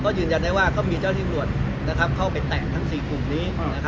ยืนยันได้ว่าก็มีเจ้าที่ตำรวจเข้าไปแต่งทั้ง๔กลุ่มนี้